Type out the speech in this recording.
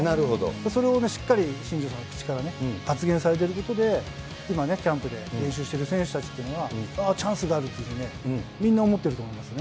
それをしっかり新庄さんの口から発言されているということで、今、キャンプで練習してる選手たちっていうのは、チャンスがあるっていうふうにね、みんな思ってると思いますね。